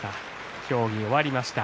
協議終わりました。